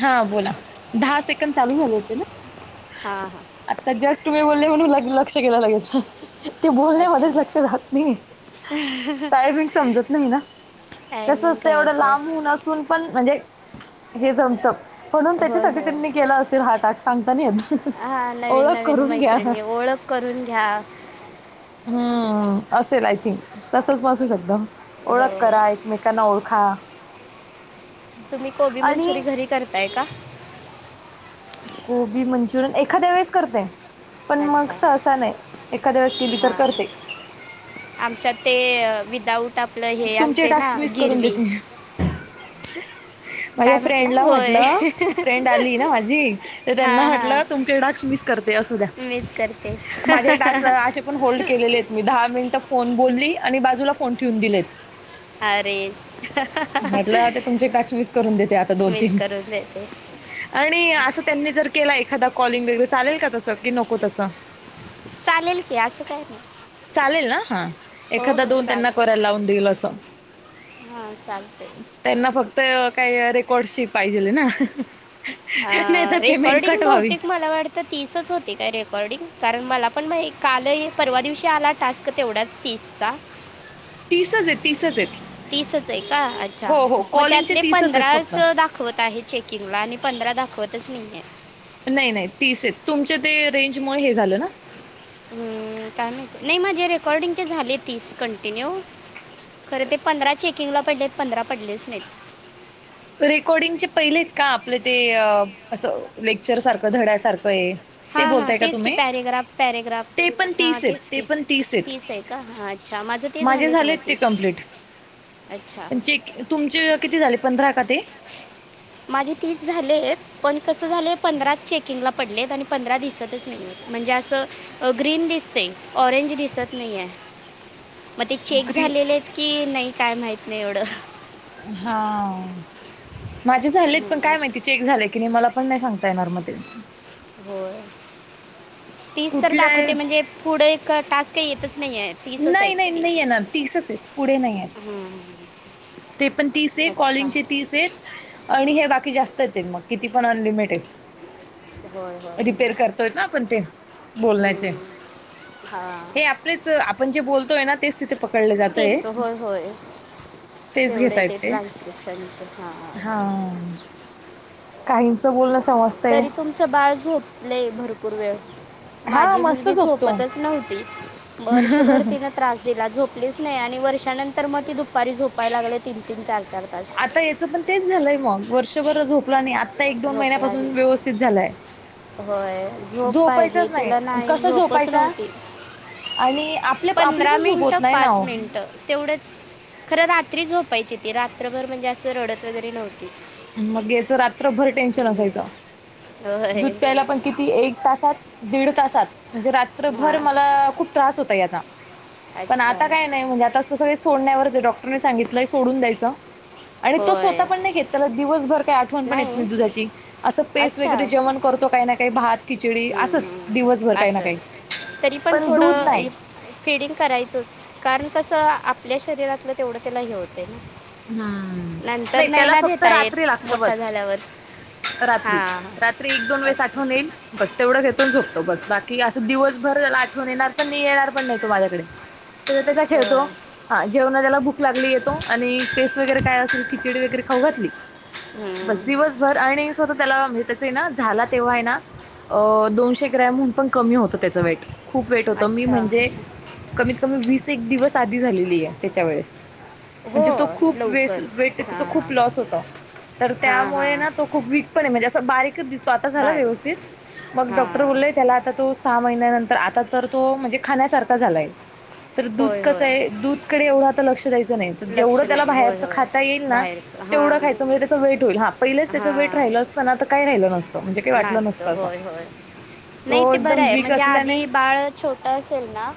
हा बोला दहा सेकंड चालू झाले होते ना. हां हां आता जस्ट तुम्ही बोलले म्हणून लक्ष्याय लागेल ना. ते अच्छा बोलण्यामध्येच लक्ष राहत नाही काय म समजत नाही ना. कसं टायमिंग असतं एवढं कळत नाही लांबून असून पण म्हणजे हे जमतं म्हणून होय त्याच्यासाठी होय त्यांनी केलं असेल हाटॅक सांगता ना. हा नवीन नवीन मैत्रिणी ओळख करून घ्या. हम्म असेल आय थिंक तसच बसू शकत हो ओळख हो करा एक मेकना ओळखा. तुम्ही कोबी आणि मंचुरियन घरी करताय का? कोबी मंचुरियन एखाद्या वेळेस करते. पण मग अच्छा सहसा नाही एखाद्या वेळेस केली तर हां करते. आमच्यात ते विदाऊट आपलं हे तुमचे असते ना टास्क मिस करून गिरवी. [inaudible] माझ्या काय म्हटला फ्रेंडला होय म्हटलं. फ्रेंड आली ना माझी तर त्यांना हां हां म्हटलं तुमचे टास्कस मिस करते असू द्या. मीच करते माझे टास्कस असे पण होल्ड केलेले. मी दहा मिनिटं फोन बोलली आणि बाजूला फोन ठेवून दिलेत. अरे! हाहाहा. म्हटलं आता तुमचे टॅक्स मिस करून देते आता दोन मीच तीन करून देते आणि असं त्यांनी जर केला एखादा कॉलिंग वगैरे चालेल का तसं की नको तसं. चालेल की असं काय नाही चालेल ना हा हो एखादा हो दोन त्यांना चालते करायला लावून तेलासा हां चालते त्यांना फक्त काही रेकॉर्डशी पाहिजेले ना. अ त्यांना आता पेमेंट रेकॉर्डिंग कट व्हावी बहुतेक मला वाटत ते तीसच होती काय रेकॉर्डिंग कारण मला पण मा काल परवा दिवशी आला टास्क तेवढाच. पिस्सा. तीसच आहेत तीसच आहेत. तीसच आहे का अच्छा हो हो मग कॉलिंगचे त्यातले तीसच आहेत फक्त पंधराच दाखवत आहेत. चेकिंग ला आणि पंधरा दाखवतच नाहीये. नाही नाही तीस आहेत तुमच्या ते रेंजमुळे हे झाल ना. हम् काय माहिती नाही माझे रेकॉर्डिंगचे झाले तीस कंटिन्यू खरं ते पंधरा चेकिंग ला पडलेत पंधरा पडलेच नाहीत रेकॉर्डिंगचे पहिले आहेत का आपलं ते असं लेक्चर सारखं धड्यासारखं हे. हा हा तेच की पॅरेग्राफ पॅरेग्राफ, ते पण हा तीस आहेत तेच ते की, पण तीस आहेत आहे का हा. अच्छा माझं ते माझे झालेत म ते तीस, कम्प्लीट अच्छा. पण चेक तुमचे किती झाले पंधरा का ते? माझे तीच झालेत पण कस झालेय पंधरा चेकिंग ला पडलेत आणि पंधरा दिस दिसतच नाईये म्हणजे असं ग्रीन दिसते ऑरेंज दिसत नाहीये. मग ते चेक ग्री झालेले आहेत की नाही काय माहित नाही एवढं. हा माझे झालेत पण काय माहिती चेक झाले कि नाही मला पण नाही सांगता येणार म ते. तीच तर कुठल्या दाखवते म्हणजे पुढे एक टास्क ते येतच नाहीय तीसच नाही आहेत नाही ती. नाही येणार तीसच आहेत पुढे नाही आहेत ते पण तीस आहे अच्छा कॉलिंगचे तीस आहेत. आणि हे बाकी जास्त येते मग किती पण अनलिमिटेड. होय होय रिपेर करतोय ना आपण ते, बण्याचे हम्म, हे हां आपलेच आपण जे बोलतोय ना तेच तिथे पकडलं जातय. तेच होय होय. तेच तेवढे घता ते येतंय, ट्रान्स्क्रिप्शनचे हां काहीच बोलन तरी तुमचं बाळ झोपलेय भरपूर वेळ. हां माझी मस्त मुलगी झोपतो झोपतच नव्हती, वर्षभर तिन त्रास तिला झोपलीच नाही आणि वर्षानंतर मग ती दुपारी झोपायला लागली तीन तीन चार चार तास. आता याचं पण तेच झालंय मग वर्षभर झोपला नाही आता एक दोन झोपला महिन्यापासून नाही व्यवस्थित झालाय. होय झोप पाहिजे झोपायचाच तिला नाही कसं झोपच झोपायचा नव्हती. आणि आपले आपली पंधरा पण झोप मिनट होत नाही ना पाच हो मिनट. तेवढंच, खरं रात्री झोपायची ती रात्रभर म्हणजे असं रडत वगैरे नव्हती. मग याच रात्र भर टेन्शन हम्म. असायचा, होय दुध प्यायला पण किती एक तासात, दीड तासात म्हणजे हां रात्रभर मला खूप त्रास होता याचा. पण अच्छा आता काय नाही म्हणजे आता असं सगळ सोडण्यावरच डॉक्टरने सांगितलं सोडून द्यायचं. आणि तो होय स्वतः पण नाही घेत त्याला दिवसभर काही आठवण पण येत नाही दुधाची असं पेसट वगैरे अच्छा जेवण करतो काही ना काही भात खिचडी असंच, हम्म, दिवसभर काही ना काही पण दूध नाही. फिडिंग करायचच, कारण तसं आपल्या शरीरातलं तेवढं त्याला हे होतय. हम्म नाही त्याला फक्त देता रात्री येत लागत मोठा बस झाल्यावर रात्री, हां रात्री एक दोन वेळेस आठवन अच्छा येईल. बस तेवढं घेतो झोपतो बस बाकी असं दिवसभर आठवून येणार पण नाही येणार पण नाही तो माझ्याकडे. त्या त्याच्या खेळतो, होय हा जेवणा त्याला भूक लागली येतो आणि पेस्ट वगैरे काय असेल खिचडी वगैरे खाऊ घातली, बस हम्म, दिवस भर आणि स्वतः त्याला त्याच आहे ना झाला तेव्हा हाय ना अ दोनशे ग्रॅमहून पण कमी होतं त्याचं वेट, खूप वेट होत मी अच्छा म्हणजे कमीत कमी वीस एक दिवस आधी झालेली ए त्याच्या वेळेस हो. म्हणजे तो खूप वेस लवकर वेट त्याचा हां हां खूप लॉस होत. तर हां त्यामुळे ना हां तो खूप वीक पणए, म्हणजे असं बारीकच दिसतो, आता झाला बारीक व्यवस्थित मग डॉक्टर हां बोलले त्याला आता तो सहा महिन्यानंतर आता, तर तो म्हणजे खाण्यासारखा झालाय तर दूध होय कसं होय हाय? दूधकडे एवढं आता लक्ष द्यायचं नाही तर जेवढ लक्ष नाही होय बाहेरच होय खाता येईल ना, बाहेरचं तेवढ खायचं हां म्हणजे त्याच वेट होईल, हा पहिलच त्याच वेट राहिल हां तेला अस काही राहिलं नसतं, म्हणजे काही वाटलं नाचतं नसतं असं, होय होय नाही तो ते बरं एकदम आहे वीक म्हणजे असल्याने आधी बाळ छोट असेल ना,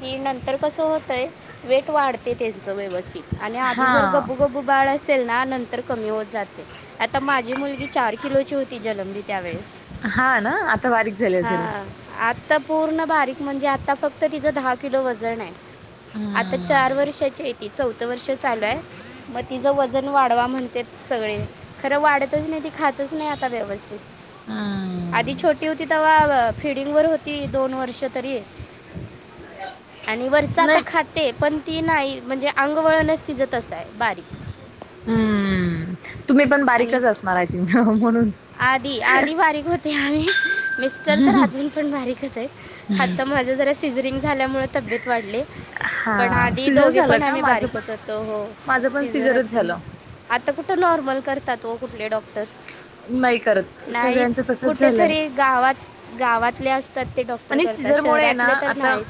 कि नंतर कसं होतय? वेट वाढतय त्याच व्यवस्थित आणि आधी जर हा गब्बू गब्बू बाळ असेल, ना नंतर कमी होत जात. आता माझी मुलगी चार किलोची होती, जनमली त्यावेेळेस हा ना, आता बारीक झाली असेल आता पूर्ण बारीक म्हणजे आता, फक्त तिचं दहा किलो वजन हाय. आता चार वर्षाची आहे. ती चौथं वर्ष चालू हाय, म तिज वजन वाढवा म्हणतेत सगळे, खरं वाढतच नाही ती खातच नाही, आता व्यवस्थित आधी हम्म छोटी होती, तेव्हा फिडिंग वर होती दोन वर्ष तरी आणि वरच आता नाही खाते, पण ती नाही म्हणजे अंगवळणच तिज तसं हाय बारीक हम्म तुम्ही पण आणि बारीकच असणार आहे तिथ म्हणून आधी आधी बारीक होते हा मी मिस्टर तर अजून पण बारीकच हाय, आता माझं जरा सीझरिंग झाल्यामुळे तब्येत वाढले. पण हां, आधी सिझर दोघे झालं पण का? आम्ही माझं पण बारीकच होतो. हो माझं हो पण सिझरच सिजरच झालं. आता कुठं नॉर्मल करतात? ओ कुठले डॉक्टर? नाही करत नाहीच सगळ्यांचं तसंच झालंय कुठेतरी गावात गावातले असतात. ते डॉक्टर आणि करतात, सिझरमुळे आहे ना शहरातले तर आता नाहीच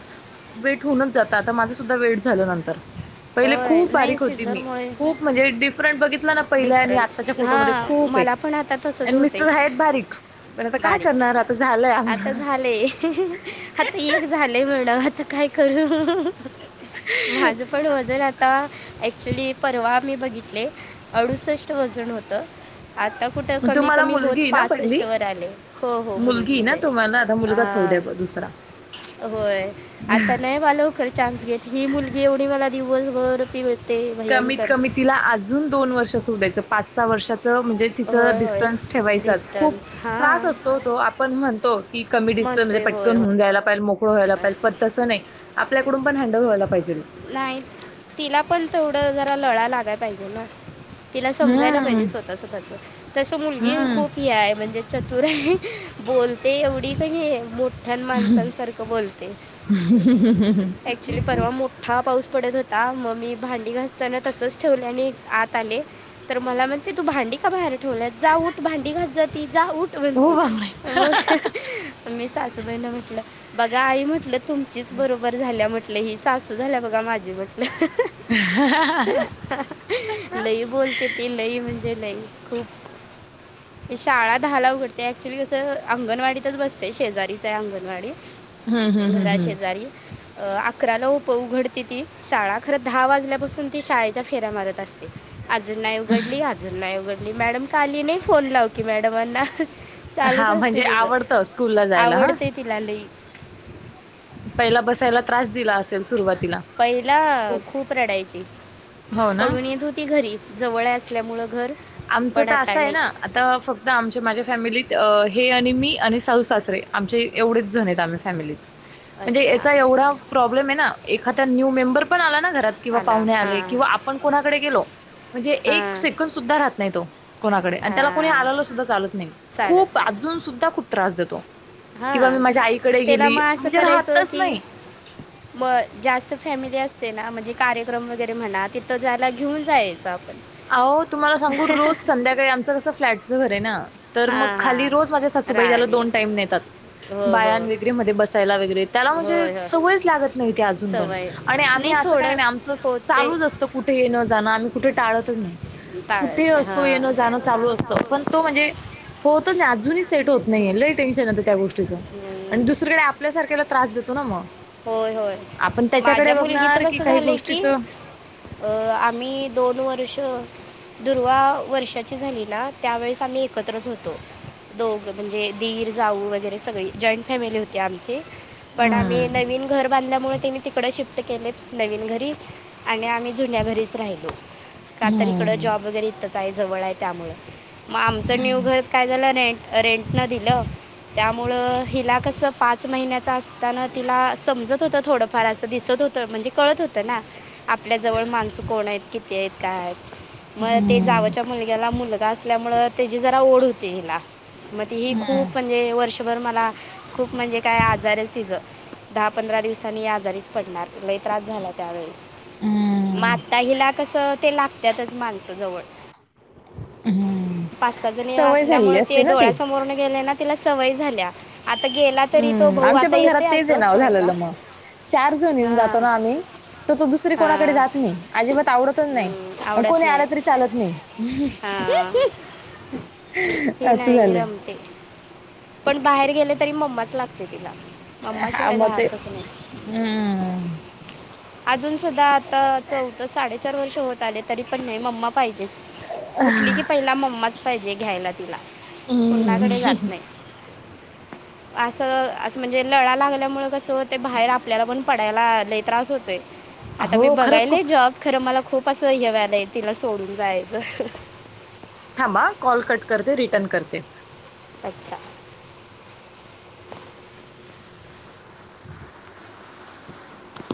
वेट होऊनच जात, आता माझं सुद्धा वेट झालं नंतर पहिले होय खूप नाही बारीक होती मी, सिझरमुळे खूप म्हणजे डिफरंट बघितला ना, पहिल्या आणि आत्ताच्या डिफरंट फोटोमध्ये हां खूप हाए मला पण आता तसंच आणि होते मिस्टर आहेत बारीक, पण आता काय बारीक करणार? आता झालंय आता आंगा झाले आता एक झालंय म्हन आता काय करू? माझ पण वजन आता, ॲक्च्युली परवा आम्ही बघितले. अडुसष्ट वजन होतं. आता कुठं? कमी तुम्हाला कमी होत, मुलगी आहे ना पासष्ट पहिली? वर आलय. हो हो मुलगी आहे मुलगीच ना हाय तुम्हाला? आता मुलगाच होऊ हां. द्या ब दुसरा. व्हय आता नाही बा लवकर चान्स घेत, ही मुलगी एवढी मला दिवसभर पिळ कमीत कमी तिला अजून दोन वर्षाच होवू द्यायचं, पाच, सहा वर्षाचं म्हणजे तिचं होय होय डिस्टन्स ठेवायचांच खूप डिस्टन्स त्रास हां असतो. तो आपण म्हणतो, की कमी डिस्टन्स म्हणजे म्हणतोय होय पटकन होय होऊन जायला पाहिजेल, मोकळं व्हायला पाहिजेल पण तसं नाही, आपल्याकडून पण हँडल व्हायला पाहिजेल. नाही तिला पण तेवढं, जरा लळा लागाय पाहिजे ना. तिला समजायला हम्म पाहिजे स्वतः स्वतःचं तस मुलगी हम्म खूप हे आहे म्हणजे चतुर हे बोलते एवढी कणी मोठ माणसांसारखं बोलते. ॲक्च्युली परवा [unintelligible] मोठा पाऊस पडत होता, मग मी भांडी घासताना तसच ठेवले आणि आत आले. तर मला म्हणते तू भांडी का बाहेर? ठेवल्यात जा. ऊठ भांडी घास जा ती, जा उठ हो म्हणतेय बापरे. मग मी सासूबाईना म्हटलं, बघा आई म्हटलं तुमचीच बरोबर झाल्या म्हटलं, ही सासू झालीया बघा, माझी म्हटलं लई बोलते ती, लई म्हणजे लई खूप [unintelligible] शाळा दहा ला उघडते ऍक्च्युली कसं अंगणवाडीतच बसते शेजारीच आहे अंगणवाडी. हम्म हम्म घरा हम्म हम्म शेजारी अ अकराला उ प उघडते ती शाळा खरं दहा वाजल्यापासून ती शाळेच्या फेऱ्या मारत असते. अजून नाही उघडली, अजून नाही उघडली, मॅडम का आली नाही? फोन लाव की मॅडमांना. चालूच हा असतंय म्हणजे तिच आवडतं स्कूलला जायला हा आवडते तिला लई पहिला बसायला त्रास दिला असेल सुरुवातीला? पहिला खूप रडायची हो ना पळून येत होती घरी. जवळ आहे असल्यामुळं घर. आमचं पण तर आता असं आहे नाही ना आता फक्त आमच्या माझ्या फॅमिलीत हे आणि मी आणि सासू - सासरे आमचे एवढेच जण आहेत आम्ही फॅमिलीत. म्हणजे अच्छा याचा एवढा प्रॉब्लेम आहे ना, एखादा न्यू मेंबर पण आला ना घरा त किंवा आला पाहुणे आले हां किंवा आपण कोणाकडे गेलो म्हणजे एक हां सेकंद सुद्धा राहत नाही तो. कोणाकडे आणि त्याला कोणी आ, आलेलं सुद्धा चालत नाही चालत खूप नाही अजून सुद्धा खूप त्रास देतो. किंवा मी हां माझ्या आईकडे त्याला गेली मग म्हणजे राहतच नाही. म जास्त फॅमिली असते ना म्हणजे कार्यक्रम वगैरे म्हणा तिथं जायला घेऊन जायचं आपण अवो तुम्हाला सांगू रोज संध्याकाळी आमचं कसं फ्लॅटचं घर आहे ना. तर मग हां खाली रोज माझ्या हां सासूबाई त्याला राळी दोन टाईम नेतात हो हो बायान वगैरे मध्ये, बसायला वगैरे. त्याला म्हणजे होय हो सवयच लागत नाही ती अजून पण सवय आणि आम्ही नाही असं काही थोडं नाही आमचं होते चालूच असतं. कुठे येणं- जाणं आम्ही कुठे टाळतच नाही. कुठे टाळत नाही असतो हां येण जाणं चालू असतं पण तो म्हणजे होतच नाही अजूनही सेट होत नाही, लई टेन्शन येतं त्या गोष्टीच हम्म आणि दुसरीकडे आपल्यासारख्याला त्रास देतो ना मग होय होय आपण त्याच्याकडे माझ्या मुलगीच बघणार की कस काही झालंय की, गोष्टीचं अ आम्ही दोन वर्ष दुर्वा वर्षाची झाली ना त्यावेेळेस आम्ही एकत्रच होतो. दोघं म्हणजे दीर जाऊ वगैरे सगळी जॉईंट फॅमिली होती आमची पण आम्ही हम्म. नवीन घर बांधल्यामुळे त्यांनी तिकड शिफ्ट केलेत नवीन घरी आणि आम्ही जुन्या घरीच राहिलो का तर इकडं जॉब वगैरे इथंच आहे जवळ आहे त्यामुळं मग आमचं न्यू घर काय झालं रेंट रेंट न दिलं त्यामुळं हिला कस पाच महिन्याचा असताना तिला समजत होत थोडंफार असं दिसत होत म्हणजे कळत होतं ना आपल्या जवळ माणसं कोण आहेत किती आहेत काय आहेत मग ते जावच्या मुलग्याला मुलगा असल्यामुळे त्याची जरा ओढ होती हिला मग त ही खूप म्हणजे वर्षभर मला खूप म्हणजे काय आजार आहे तिच दहा पंधरा दिवसांनी आजारीच पडणार लय त्रास झाला त्यावेळीस मा हम्म. आता हिला कस ते लागत्यातच माणसं जवळ हम्म पाच सहा जणी सवय झालेली असल्यामुळे असते ते ना ती डोळ्यासमोरून गेले ना तिला सवय झाल्या आता गेला तरी तो हम्म भाऊ आमच्या आता पण घरात येतो तेच आहे असं नाव सहसा झालेलं मग चार जण येऊन जातो हां ना आम्ही तो तो दुसरी कोणाकडे हां जात नाही, अजिबात आवडतचं नाही, हम्म, कोणी आवडत आला नाही तरी चालत नाही. हां हुह्ह्हं ही असं नाही झालंय. रमते पण बाहेर गेले तरी मम्माच लागते तिला मम्मा हा शिवाय मग ते रहातच नाही. हम्म अजून सुद्धा आता चौथं साडेचार वर्ष होत आले तरी पण नाही मम्मा पाहिजेच. उठली की पहिला मम्माच पाहिजे घ्यायला तिला कुणाकडे जात नाही. असं असं म्हणजे लळा लागल्यामुळे कसं होते बाहेर आपल्याला पण पडायला लय त्रास होत होेतय. आता मी हो खरंच खूप बघायलाय जॉब खरं मला खूप असं हे व्हायलय आहे तिला सोडून जायचं. [unintelligible] थांबाआ कॉल कट करते रिटर्न करते. अच्छा!